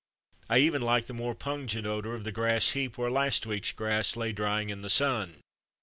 I even liked the more pungent odour of the grass heap where last week's grass lay drying in the sun.